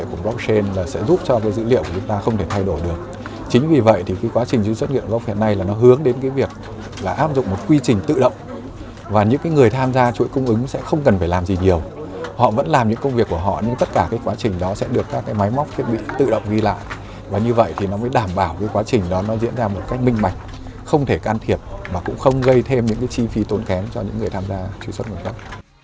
các cơ quan quản lý nhà nước minh bạch không thể can thiệp và cũng không gây thêm những chi phí tốn kém cho những người tham gia truy xuất